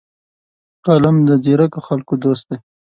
قلم د ځیرکو خلکو دوست دی